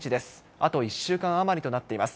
あと１週間余りとなっています。